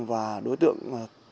và đối tượng